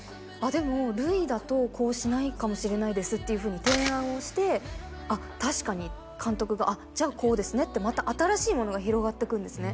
「でもるいだとこうしないかもしれないです」っていうふうに提案をして「あっ確かに」監督が「じゃあこうですね」ってまた新しいものが広がっていくんですね